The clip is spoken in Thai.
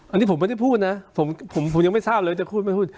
อันนี้ผมไม่ได้พูดนะผมยังไม่ทราบเลยว่าจะพูดไม่พูด